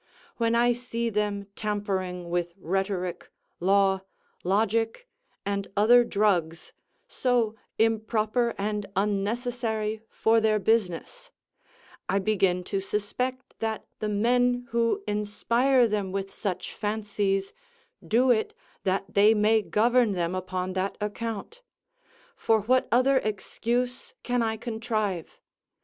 When I see them tampering with rhetoric, law, logic, and other drugs, so improper and unnecessary for their business, I begin to suspect that the men who inspire them with such fancies, do it that they may govern them upon that account; for what other excuse can I contrive?